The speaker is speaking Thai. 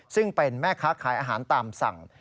ซึ่งเป็นแม่ค้าขายอาหารตามสั่ง